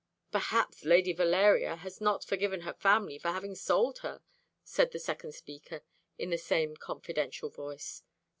"Perhaps Lady Valeria has not forgiven her family for having sold her," said the second speaker, in the same confidential voice.